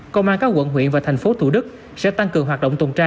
công an các quận huyện và thành phố thủ đức sẽ tăng cường hoạt động tuần tra